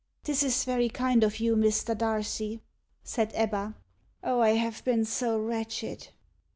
"This is very kind of you, Mr. Darcy," said Ebba. "Oh, I have been so wretched!"